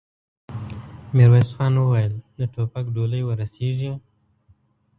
ميرويس خان وويل: د ټوپک ډولۍ ور رسېږي؟